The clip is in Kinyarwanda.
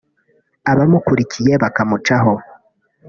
abamukurikiye bakamucaho